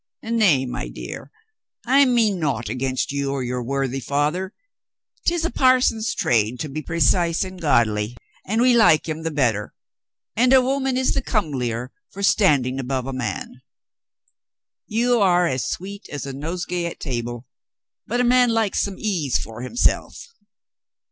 "Nay, my dear, I mean naught against you or your worthy father. 'Tis a parson's trade to be precise and godly, and we like him the better. And a woman Is the comelier for standing above a man. You are as sweet as a nosegay at table. But a man likes some ease for himself."